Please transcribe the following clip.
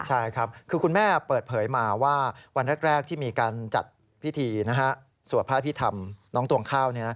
ใช่ครับคือคุณแม่เปิดเผยมาว่าวันแรกที่มีการจัดพิธีสวดพระอภิษฐรรมน้องตวงข้าว